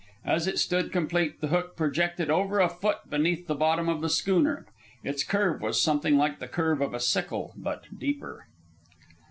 As it stood complete, the hook projected over a foot beneath the bottom of the schooner. Its curve was something like the curve of a sickle, but deeper.